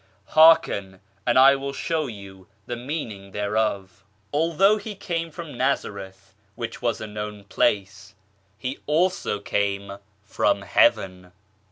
Hearken, and I will show you the meaning thereof. Although He came from Nazareth, which was a known place, He also came from Heaven.